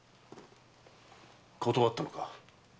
断ったのか。